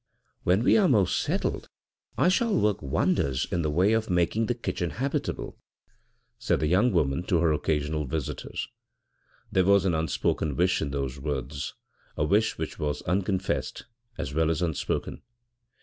"When we are more settled I shall work wonders in the way of making the kitchen habitable," said the young woman to her occasional visitors. There was an unspoken wish in those words, a wish which was unconfessed as well as unspoken.